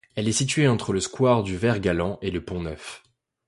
Elle est située entre le square du Vert-Galant et le pont Neuf.